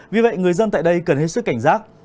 vì vậy người dân tại đây cần hết sức cảnh giác